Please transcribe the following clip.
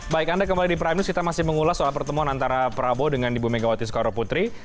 baik anda kembali di prime news kita masih mengulas soal pertemuan antara prabowo dengan ibu megawati soekarno putri